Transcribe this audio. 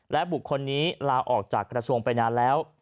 และบุคคลนี้ลาออกจากกระทรวงไปนานแล้ว